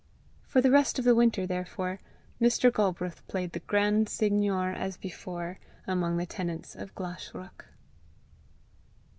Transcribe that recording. For the rest of the winter, therefore, Mr. Galbraith played the grand seigneur as before among the tenants of Glashruach.